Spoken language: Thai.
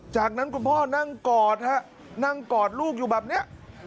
จากนั้นคุณพ่อนั่งกอดลูกอยู่แบบนี้